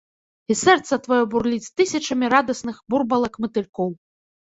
І сэрца тваё бурліць тысячамі радасных бурбалак-матылькоў!